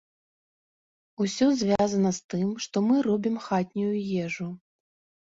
Усё звязана з тым, што мы робім хатнюю ежу.